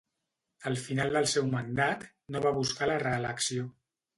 Al final del seu mandat, no va buscar la reelecció.